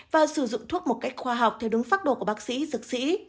và sử dụng thuốc một cách khoa học theo đúng phác đồ của bác sĩ dược sĩ